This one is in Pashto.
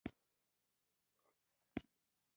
غربي هېوادونو له فکري مقولو سره اوزاري چلند وکړ.